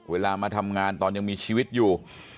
เวลามาทำงานตอนยังมีชีวิตอยู่